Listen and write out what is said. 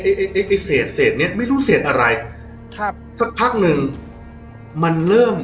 ไอไอไอเสร็จเสร็จเนี้ยไม่รู้เสร็จอะไรครับสักพักนึงมันเริ่ม